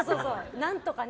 何とかね。